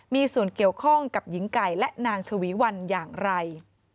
มีส่วนเกี่ยวข้องกับหญิงไก่และนางชวีวันอย่างไร